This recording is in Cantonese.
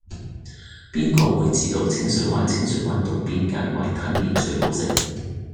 邊個會知道清水灣清水灣道邊間雲吞麵最好食